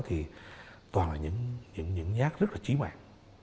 thì toàn là những nhát rất là chí mạng